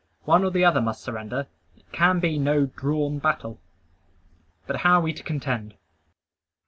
One or the other must surrender. It can be no "drawn battle." But how are we to contend?